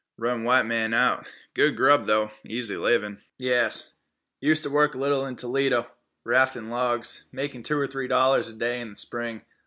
Run white man out. Good grub, though. Easy livin'." "Yas; useter work little in Toledo, raftin' logs. Make two or three dollars er day in the spring.